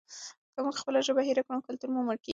که موږ خپله ژبه هېره کړو کلتور مو مړ کیږي.